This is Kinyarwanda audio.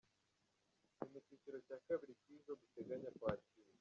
Ni mu cyiciro cya kabiri cy’izo duteganya kwakira.